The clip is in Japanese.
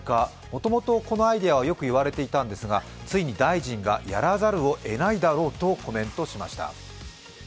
もともとこのアイデアはよく言われていたんですが、ついに大臣がやらざるをえないだろうとコメントしました。